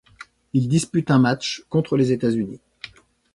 Il dispute un match, contre les États-Unis.